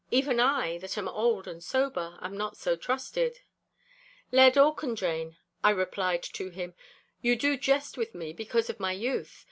'Even I, that am old and sober, am not so trusted.' 'Laird Auchendrayne,' I replied to him, 'you do jest with me because of my youth.